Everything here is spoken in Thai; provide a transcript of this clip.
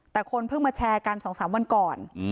แต่คนเพิ่งมาแชร์กัน๒๓วันก่อน